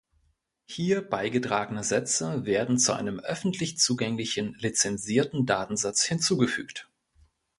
Hier beigetragene Sätze werden zu einem öffentlich zugänglichen lizenzierten Datensatz hinzugefügt.